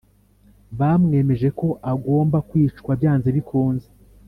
bamwemeje ko agomba kwicwa byanze bikunze